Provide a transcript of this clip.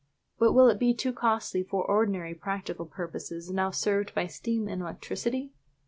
But will it be too costly for ordinary practical purposes now served by steam and electricity?